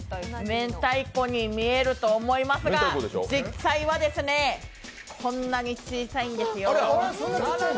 めんたいこに見えると思いますが、実際はこんなに小さいんですよ。